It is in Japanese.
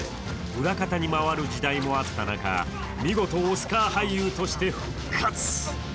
裏方に回る時代もあった中、見事、オスカー俳優として復活。